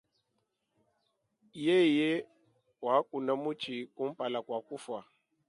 Yeye wakuna mutshi kumpala kua kufua.